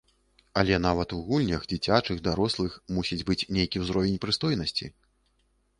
Але нават у гульнях, дзіцячых, дарослых, мусіць быць нейкі ўзровень прыстойнасці.